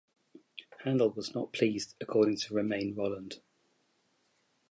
Handel was not pleased, according to Romain Rolland.